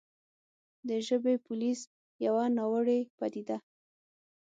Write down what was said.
د «ژبې پولیس» يوه ناوړې پديده